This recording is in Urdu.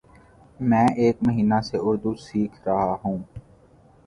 میں ایک مہینہ سے اردو سیکھرہاہوں